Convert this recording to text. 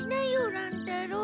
乱太郎。